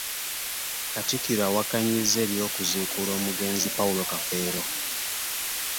Katikkiro awakanyizza eby'okuziikula omugenzi Paulo Kafeero